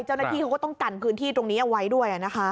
เจ้าหน้าที่เขาก็ต้องกันพื้นที่ตรงนี้เอาไว้ด้วยนะคะ